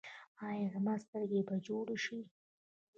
ایا زما سترګې به جوړې شي؟